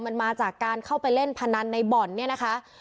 มันมาจากการเข้าไปเล่นพนันในบ่อนเนี่ยนะคะ